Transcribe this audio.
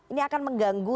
ini akan mengganggu